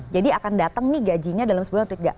jadi akan datang nih gajinya dalam sebulan atau tidak